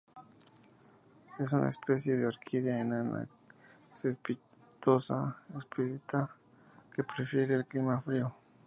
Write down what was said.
Es una especie de orquídea enana, cespitosa, epífita, que prefiere el clima frío.